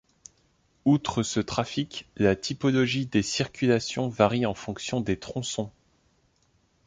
Outre ce trafic, la typologie des circulations varie en fonction des tronçons.